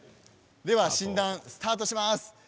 診断スタートします。